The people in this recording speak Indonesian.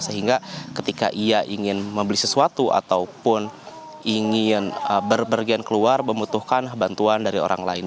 sehingga ketika ia ingin membeli sesuatu ataupun ingin berpergian keluar membutuhkan bantuan dari orang lain